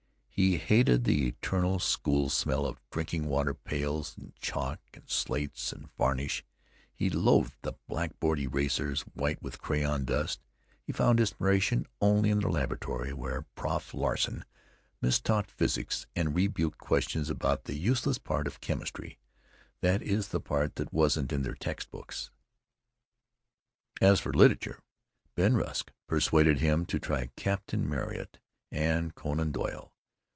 He hated the eternal school smell of drinking water pails and chalk and slates and varnish; he loathed the blackboard erasers, white with crayon dust; he found inspiration only in the laboratory where "Prof" Larsen mistaught physics and rebuked questions about the useless part of chemistry—that is, the part that wasn't in their text books. As for literature, Ben Rusk persuaded him to try Captain Marryat and Conan Doyle.